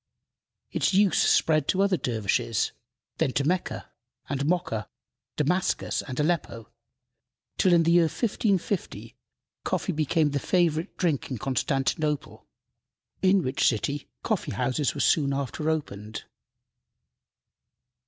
Its use spread to other dervishes, then to Mecca and Mocha, Damascus and Aleppo, till, in the year 1550, coffee became the favorite drink in Constantinople, in which city coffee houses were soon after opened.